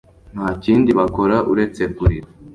Nta kindi bakora uretse kurira